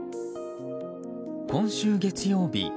今週月曜日